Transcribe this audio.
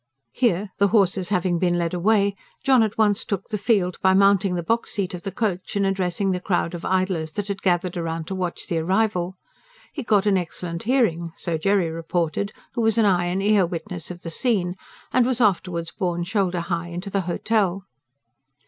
Here, the horses having been led away, John at once took the field by mounting the box seat of the coach and addressing the crowd of idlers that had gathered round to watch the arrival. He got an excellent hearing so Jerry reported, who was an eye and ear witness of the scene and was afterwards borne shoulder high into the hotel.